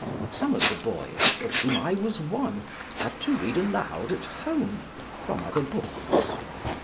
Some of the boys, of whom I was one, had to read aloud, at home, from other books.